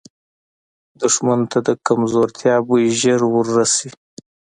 دښمن ته د کمزورتیا بوی ژر وررسي